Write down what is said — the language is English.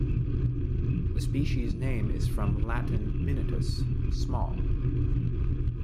The species name is from Latin "minutus", "small".